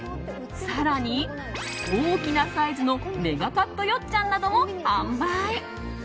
更に、大きなサイズのメガカットよっちゃんなども販売。